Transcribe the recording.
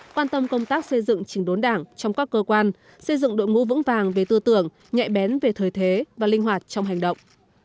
quan tâm công tác xây dựng chỉnh đốn đảng trong các cơ quan xây dựng đội ngũ vững vàng về tư tưởng nhạy bén về thời thế và linh hoạt trong hành động